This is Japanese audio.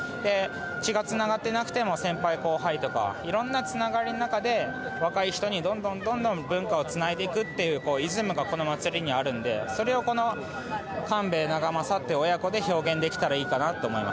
血がつながってなくても先輩後輩とかいろんなつながりの中で若い人にどんどんどんどん文化をつないでいくというイズムがこの祭りにあるのでそれをこの官兵衛長政という親子で表現できたらいいかなと思いました。